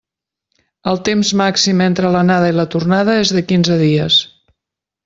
El temps màxim entre l'anada i la tornada és de quinze dies.